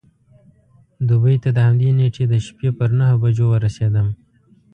دوبۍ ته د همدې نېټې د شپې پر نهو بجو ورسېدم.